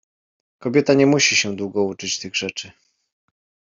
— Kobieta nie musi się długo uczyć tych rzeczy.